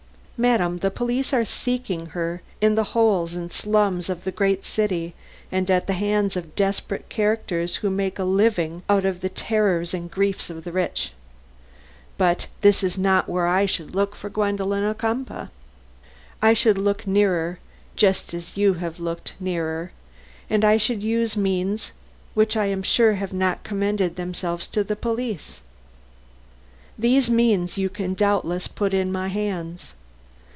Madam, the police are seeking her in the holes and slums of the great city and at the hands of desperate characters who make a living out of the terrors and griefs of the rich. But this is not where I should look for Gwendolen Ocumpaugh. I should look nearer, just as you have looked nearer; and I should use means which I am sure have not commended themselves to the police. These means you can doubtless put in my hands.